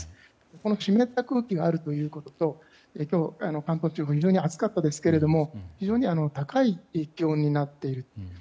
この湿った空気があるということと今日、関東地方は非常に暑かったですけども非常に高い気温になっている。